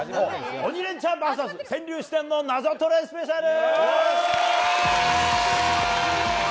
「鬼レンチャンＶＳ川柳四天王ナゾトレスペシャル」。